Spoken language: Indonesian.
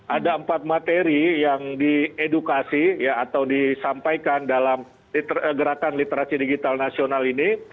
ada empat materi yang diedukasi atau disampaikan dalam gerakan literasi digital nasional ini